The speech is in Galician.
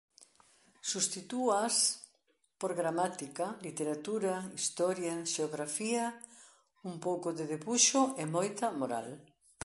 Substitúoas por gramática, literatura, historia, xeografía, un pouco de debuxo e moita moral.